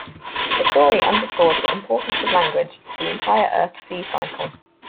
The story underscores the importance of language to the entire Earthsea cycle.